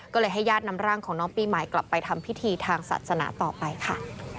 ก็เลยให้ญาตินำร่างของน้องปีใหม่กลับไปทำพิธีทางศาสนาต่อไปค่ะ